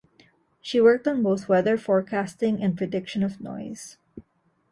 She worked on both weather forecasting and prediction of noise.